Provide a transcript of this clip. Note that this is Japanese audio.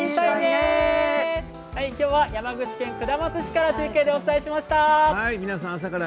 きょうは山口県下松市から中継でお伝えしました。